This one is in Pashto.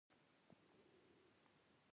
د جهاد په نوم اعلامیې خپرولې.